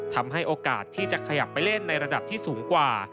ทำให้โอกาสที่จะขยับไปเล่นในระดับที่สูงกว่า